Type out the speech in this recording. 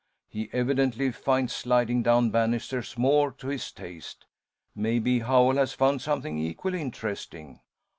He evidently finds sliding down bannisters more to his taste. Maybe Howell has found something equally interesting."